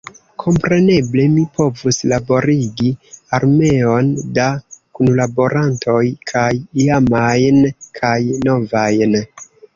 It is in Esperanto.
Kompreneble mi povus laborigi armeon da kunlaborantoj, kaj iamajn kaj novajn.